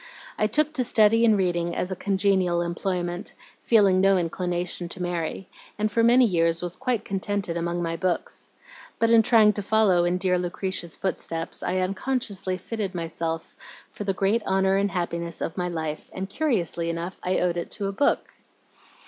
I took to study and reading as a congenial employment, feeling no inclination to marry, and for many years was quite contented among my books. But in trying to follow in dear Lucretia's footsteps, I unconsciously fitted myself for the great honor and happiness of my life, and curiously enough I owed it to a book."